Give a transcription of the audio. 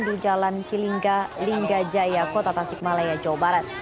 di jalan cilingga linggajaya kota tasikmalaya jawa barat